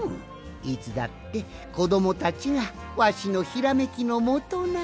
いつだってこどもたちがわしのひらめきのもとなんじゃ。